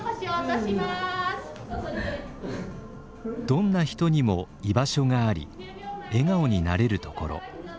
どんな人にも居場所があり笑顔になれるところ。